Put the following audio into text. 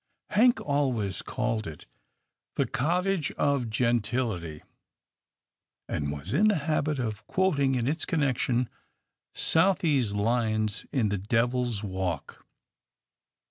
Hank always called it the cottage of gentility," and was in the habit of quoting in its connection, Southey's lines in " The Devil's Walk."